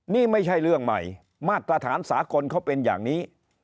นี่ไม่ใช่เรื่องใหม่มาตรฐานสากลเขาเป็นอย่างนี้